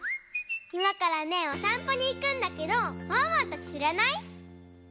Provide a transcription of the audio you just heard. いまからねおさんぽにいくんだけどワンワンたちしらない？